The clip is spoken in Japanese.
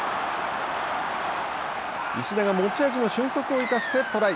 石田が持ち味の俊足を生かしてトライ。